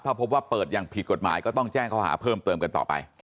ถ้าพบว่าเปิดอย่างผิดกฎหมายก็ต้องแจ้งข้อหาเพิ่มเติมกันต่อไป